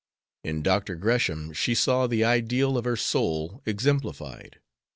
In Dr. Gresham she saw the ideal of her soul exemplified.